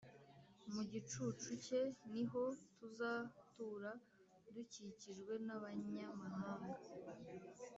Mu gicucu cye ni ho tuzatura, Dukikijwe n’abanyamahanga.”